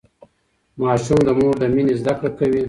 ماشوم د مور له مينې زده کړه کوي.